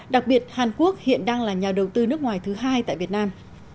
đặc biệt hàn quốc hiện đang là nhà đầu tư nước ngoài thứ hai tại việt nam